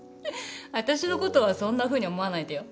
わたしのことはそんなふうに思わないでよ。